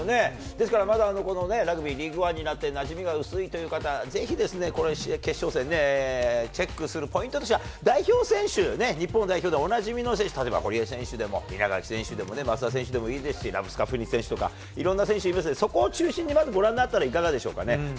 ですから、まだラグビーリーグワンになって、なじみが薄いという方、ぜひ、決勝戦ね、チェックするポイントとしては代表選手、日本代表でおなじみの選手、例えば堀江選手でも稲垣選手でも、松田選手でもいいですしね、いろんな選手いますから、そこを中心にまず、ご覧になったらいかがでしょうかね。